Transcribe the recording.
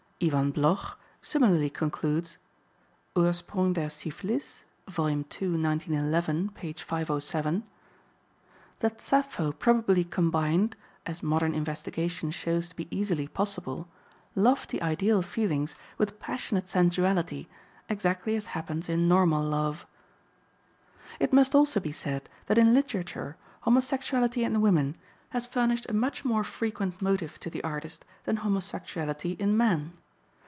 Iwan Bloch similarly concludes (Ursprung der Syphilis, vol. ii, 1911, p. 507) that Sappho probably combined, as modern investigation shows to be easily possible, lofty ideal feelings with passionate sensuality, exactly as happens in normal love. It must also be said that in literature homosexuality in women has furnished a much more frequent motive to the artist than homosexuality in men.